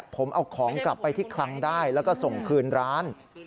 ผมเอาของกลับไปที่คลังได้แล้วก็ส่งคืนร้าน